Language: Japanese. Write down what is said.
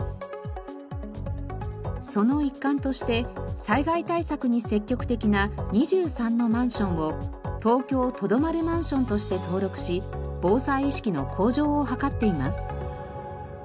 その一環として災害対策に積極的な２３のマンションを東京とどまるマンションとして登録し防災意識の向上を図っています。